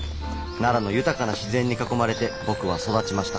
奈良の豊かな自然に囲まれて僕は育ちました。